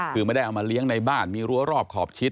คือไม่ได้เอามาเลี้ยงในบ้านมีรั้วรอบขอบชิด